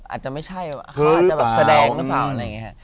อาจจะไม่ใช่อาจจะแบบแสดงหรือเปล่า